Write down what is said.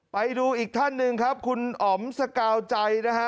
ไปดูอีกท่านหนึ่งครับคุณอ๋อมสกาวใจนะฮะ